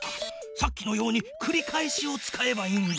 さっきのようにくり返しを使えばいいんだ。